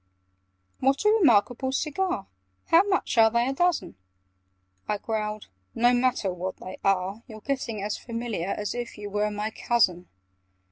"What a re markable cigar! How much are they a dozen?" I growled "No matter what they are! You're getting as familiar As if you were my cousin!